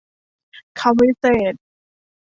คำวิเศษณ์